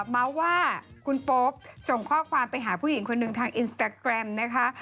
เมาส์ว่าคุณโป๊ปส่งข้อความไปหาผู้หญิงคนหนึ่งทางอินสตาแกรมนะคะ